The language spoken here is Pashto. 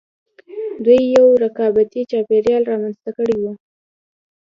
دوی یو رقابتي چاپېریال رامنځته کړی و